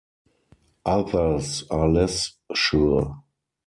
Others are less sure.